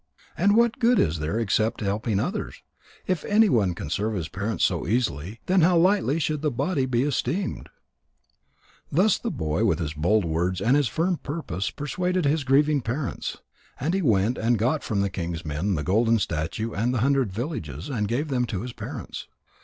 And what good is there except helping others? If anyone can serve his parents so easily, then how lightly should the body be esteemed!" Thus the boy, with his bold words and his firm purpose, persuaded his grieving parents. And he went and got from the king's men the golden statue and the hundred villages, and gave them to his parents.